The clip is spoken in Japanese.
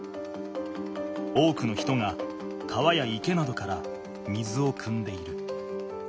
多くの人が川や池などから水をくんでいる。